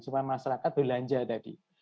supaya masyarakat belanja tadi